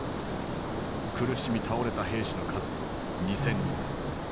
苦しみ倒れた兵士の数２，０００人。